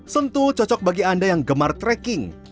sentuh cocok bagi anda yang gemar trekking